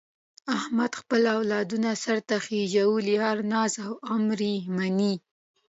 احمد خپل اولادونه سرته خېژولي، هر ناز او امر یې مني.